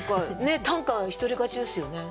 短歌一人勝ちですよね？